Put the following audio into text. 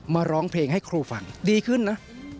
ร้องเพลงให้ครูฟังดีขึ้นนะ